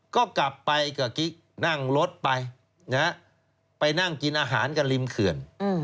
ก็กลับไปกับกิ๊กนั่งรถไปไปนั่งกินอาหารกันริมเขื่อน